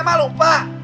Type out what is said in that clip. eh mak lupa